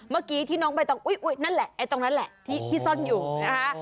เมื่อกี้ที่น้องใบตองอุ๊ยนั่นแหละไอ้ตรงนั้นแหละที่ซ่อนอยู่นะคะ